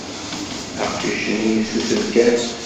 Aqcic-nni yessusem kan.